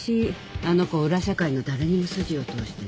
あの子裏社会の誰にも筋を通してない